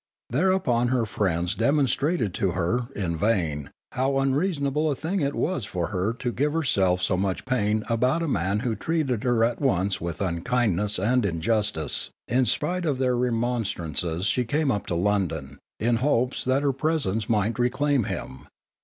Thereupon her friends demonstrated to her, in vain, how unreasonable a thing it was for her to give herself so much pain about a man who treated her at once with unkindness and injustice; in spite of their remonstrances she came up to London, in hopes that her presence might reclaim him.